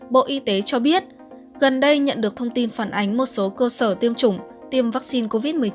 bộ y tế cho biết gần đây nhận được thông tin phản ánh một số cơ sở tiêm chủng tiêm vaccine covid một mươi chín